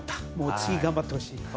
次、頑張ってほしい。